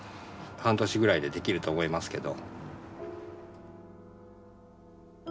半年ぐらいでできると思いますけど。